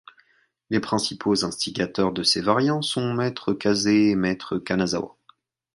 Les principaux instigateurs de ces variantes sont maitre Kase et maitre Kanazawa.